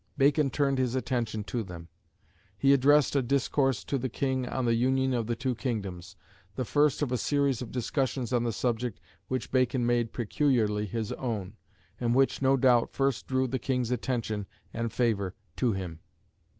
Bacon turned his attention to them. He addressed a discourse to the King on the union of the two kingdoms, the first of a series of discussions on the subject which Bacon made peculiarly his own, and which, no doubt, first drew the King's attention and favour to him.